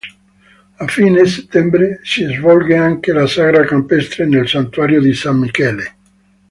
A fine settembre si svolge anche la sagra campestre nel santuario di San Michele.